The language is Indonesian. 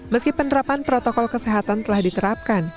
meski penerapan protokol kesehatan telah diterapkan